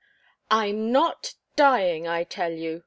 "I'm not dying, I tell you!